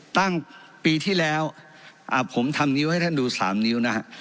ปีที่แล้วผมทำนิ้วให้ท่านดู๓นิ้วนะฮะ